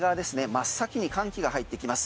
まっさきに寒気が入ってきます。